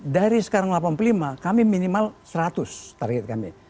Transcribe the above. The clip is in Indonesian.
dari sekarang delapan puluh lima kami minimal seratus target kami